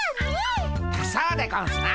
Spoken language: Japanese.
そうでゴンスな。